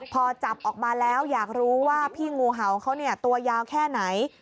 พอจับออกมาแล้วอยากรู้ว่าพี่งูเห่าเขาตัวยาวแค่ไหน